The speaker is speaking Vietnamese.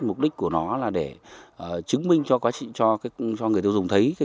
mục đích của nó là để chứng minh cho người tiêu dùng thấy